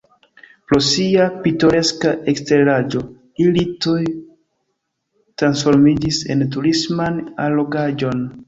Pro sia pitoreska eksteraĵo ili tuj transformiĝis en turisman allogaĵon.